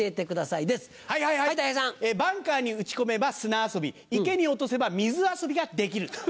バンカーに打ち込めば砂遊び池に落とせば水遊びができる。